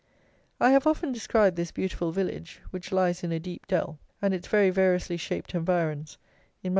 I have often described this beautiful village (which lies in a deep dell) and its very variously shaped environs, in my Register of November, 1822.